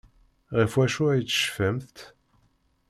Ɣef wacu ay tecfamt?